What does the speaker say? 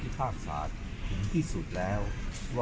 ที่ภาษาถึงที่สุดแล้ว